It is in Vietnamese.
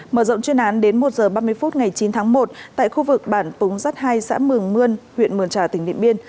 mở rộng chuyên án đến một h ba mươi phút ngày chín tháng một tại khu vực bản túng rắt hai xã mường mươn huyện mường trà tỉnh điện biên